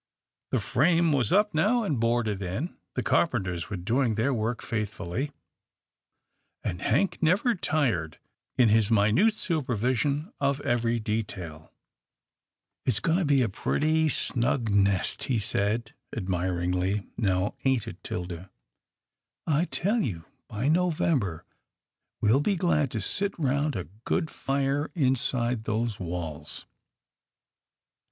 The frame was up now, and boarded in. The carpenters were doing their work faithfully, and Hank never tired in his minute supervision of every detail. " It's going to be a pretty snug nest," he said admiringly, "now ain't it, 'Tilda? I tell you by November we'll be glad to sit round a good fire in side those walls."